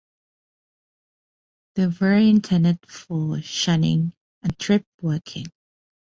They were intended for shunting and trip working.